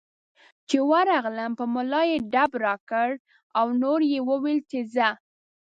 چې ورغلم په ملا یې ډب راکړ او نور یې وویل چې ځه.